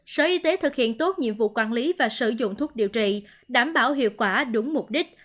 sở y tế thực hiện tốt nhiệm vụ quản lý và sử dụng thuốc điều trị đảm bảo hiệu quả đúng mục đích